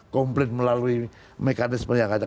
komplit melalui mekanisme yang ada